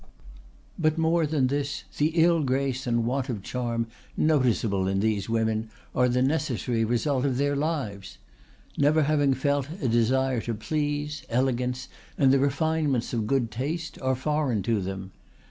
But more than this, the ill grace and want of charm noticeable in these women are the necessary result of their lives. Never having felt a desire to please, elegance and the refinements of good taste are foreign to them.